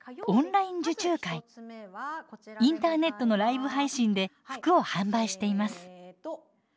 インターネットのライブ配信で服を販売しています。